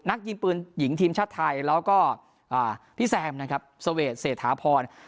ยิงปืนหญิงทีมชาติไทยแล้วก็พี่แซมนะครับเสวดเศรษฐาพร